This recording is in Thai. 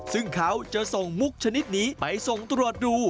ซึ่งเขาจะส่งมุกชนิดนี้ไปส่งตรวจดู